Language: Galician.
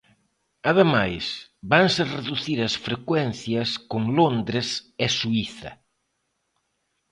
Ademais, vanse reducir as frecuencias con Londres e Suíza.